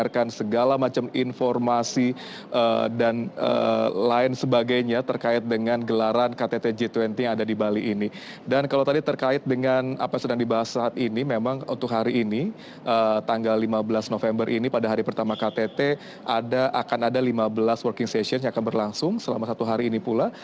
ktt akan ada lima belas working session yang akan berlangsung selama satu hari ini pula